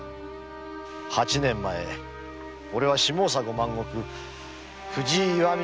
八年前おれは下総五万石藤井岩見